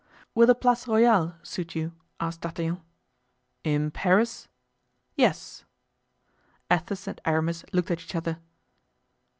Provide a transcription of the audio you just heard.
"Will the Place Royale suit you?" asked D'Artagnan. "In Paris?" "Yes." Athos and Aramis looked at each other.